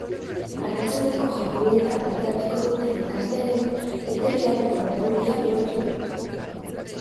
Arratsaldeko jardueretan parte hartuko duten ikasleek bete beharreko araudia lortu dut.